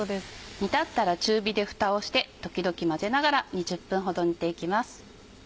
煮立ったら中火でふたをして時々混ぜながら２０分ほど煮ていきます。